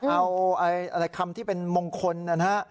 เอาอะไรคำที่เป็นมงคลนะฮะ